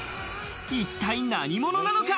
一体何者なのか？